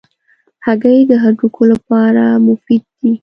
هګۍ د هډوکو لپاره مفید دي.